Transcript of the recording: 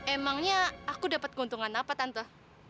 emangnya aku dapat keuntungan apa tante